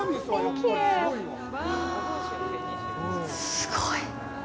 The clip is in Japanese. すごい。